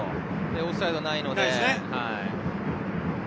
オフサイドはないので。